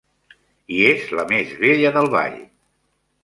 I és la més bella del ball.